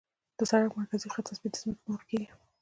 د سړک د مرکزي خط تثبیت د ځمکې پر مخ کیږي